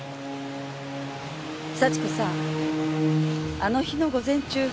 幸子さんあの日の午前中